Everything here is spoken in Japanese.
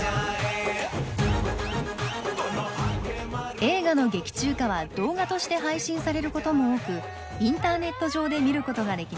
映画の劇中歌は動画として配信されることも多くインターネット上で見ることができます。